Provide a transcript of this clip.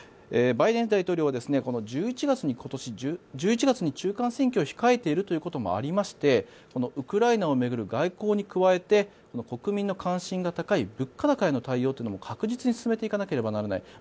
バイデン大統領は今年１１月に中間選挙を控えているということもありましてウクライナを巡る外交に加えて国民の関心が高い物価高への対応も確実に進めていかなければならない。